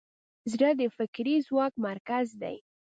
زړه د فکري ځواک مرکز دی.